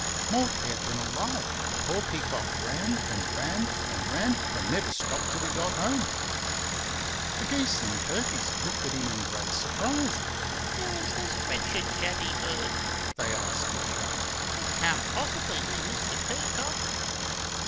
More dead than alive, the poor Peacock ran and ran and ran, and never stopped till he got home. The geese and turkeys looked at him in great surprise. "Who is this wretched, shabby bird?" they asked each other. "It cannot possibly be Mr. Peacock?"